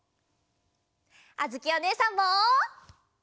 あづきおねえさんも！